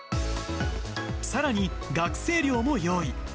さらに、学生寮も用意。